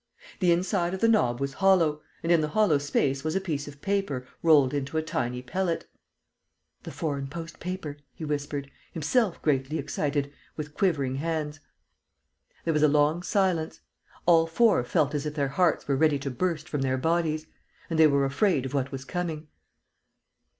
The inside of the knob was hollow; and in the hollow space was a piece of paper rolled into a tiny pellet. "The foreign post paper," he whispered, himself greatly excited, with quivering hands. There was a long silence. All four felt as if their hearts were ready to burst from their bodies; and they were afraid of what was coming.